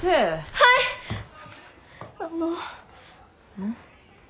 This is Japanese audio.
うん？